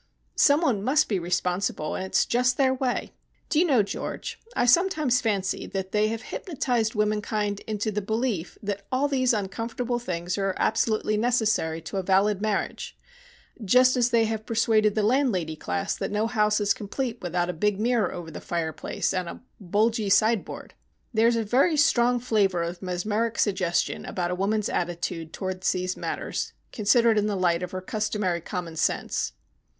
"Some one must be responsible, and it's just their way. Do you know, George, I sometimes fancy that they have hypnotised womankind into the belief that all these uncomfortable things are absolutely necessary to a valid marriage just as they have persuaded the landlady class that no house is complete without a big mirror over the fireplace and a bulgy sideboard. There is a very strong flavour of mesmeric suggestion about a woman's attitude towards these matters, considered in the light of her customary common sense.